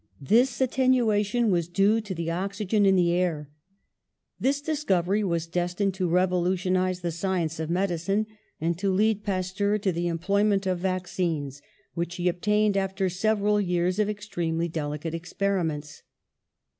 This attenuation was due to the oxygen in the air. This discov ery was destined to revolutionise the science of medicine, and to lead Pasteur to the employ ment of vaccines, which he obtained after sev eral years of extremely delicate experiments.